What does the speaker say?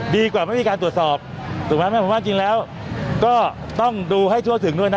ดีกว่าไม่มีการตรวจสอบถูกไหมผมว่าจริงแล้วก็ต้องดูให้ทั่วถึงด้วยนะ